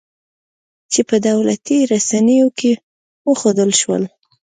چې په دولتي رسنیو کې وښودل شول